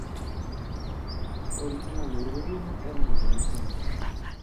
O orixinal de Brevedume era moito máis longo.